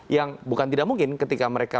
yang bukan tidak mungkin ketika mereka